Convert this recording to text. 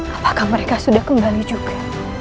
apakah mereka sudah kembali juga